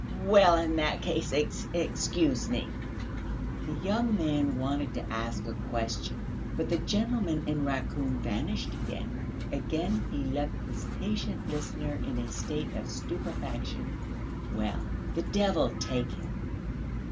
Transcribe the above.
"Well, in that case, excuse me!" The young man wanted to ask a question, but the gentleman in raccoon vanished again; again he left his patient listener in a state of stupefaction. "Well, the devil take him!"